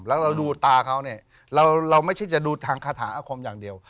แล้วเราดูตาเขาเนี่ยเราไม่ใช่จะดูทางคาถาอาคมอย่างเดียว